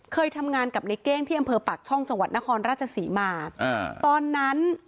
เคยทำงานกับในเก้งที่อำเภอปากช่องจังหวัดนครราชศรีมาอ่าตอนนั้น